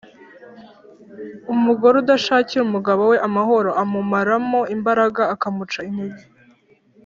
umugore udashakira umugabo we amahoroamumaramo imbaraga, akamuca intege.